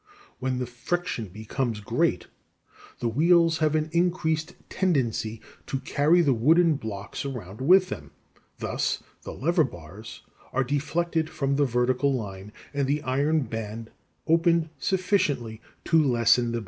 When the friction becomes great, the wheels have an increased tendency to carry the wooden blocks round with them; thus the lever bars are deflected from the vertical line and the iron band opened sufficiently to lessen the brake power.